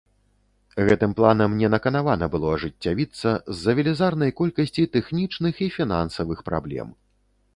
Гэтым планам не наканавана было ажыццявіцца з-за велізарнай колькасці тэхнічных і фінансавых праблем.